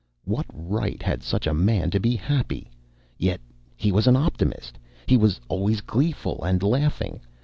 What right had such a man to be happy? Yet he was an optimist. He was always gleeful and laughing.